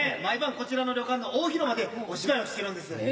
毎晩こちらの旅館の大広間でお芝居をしてるんです。